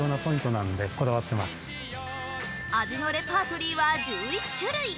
味のレパートリーは１１種類。